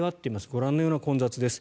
ご覧のような混雑です。